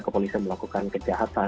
kepolisian melakukan kejahatan